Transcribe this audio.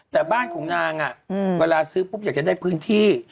แต่บ้านของนางเวลาซื้อปุ๊บอยากจะได้พื้นที่